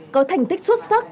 có thành tích xuất sắc